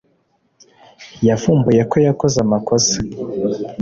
Yavumbuye ko yakoze amakosa